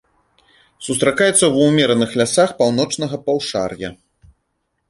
Сустракаецца ва ўмераных лясах паўночнага паўшар'я.